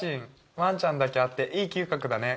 ワンちゃんだけあっていい嗅覚だね